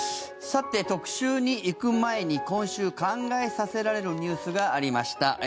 さて、特集に行く前に今週、考えさせられるニュースがありました。